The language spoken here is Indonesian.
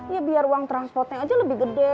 ya biar uang transportnya aja lebih gede